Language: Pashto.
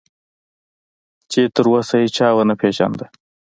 چې تراوسه هیچا ونه پېژانده.